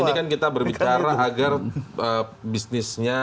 ini kan kita berbicara agar bisnisnya